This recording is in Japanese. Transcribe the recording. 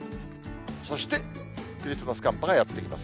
そしてクリスマス寒波がやって来ます。